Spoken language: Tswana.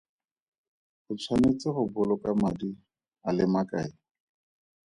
O tshwanetse go boloka madi a le makae?